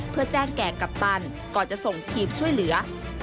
เพื่อแจ้งแก่กัปตันก่อนจะส่งทีมช่วยเหลือ